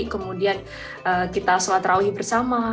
kemudian kita sholat rawih bersama